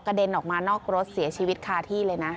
เด็นออกมานอกรถเสียชีวิตคาที่เลยนะ